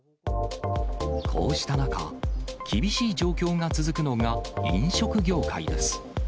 こうした中、厳しい状況が続くのが飲食業界です。